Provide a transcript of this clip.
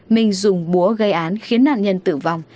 minh dùng búa gây án khiến nạn nhân tử vong